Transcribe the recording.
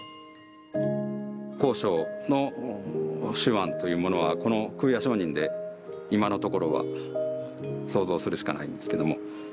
康勝の手腕というものはこの「空也上人」で今のところは想像するしかないんですけども。